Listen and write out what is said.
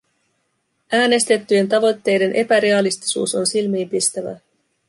Äänestettyjen tavoitteiden epärealistisuus on silmiinpistävää.